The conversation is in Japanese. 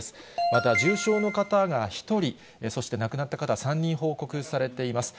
また、重症の方が１人、そして亡くなった方は３人、報告されています。